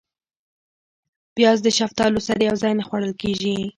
پیاز د شفتالو سره یو ځای نه خوړل کېږي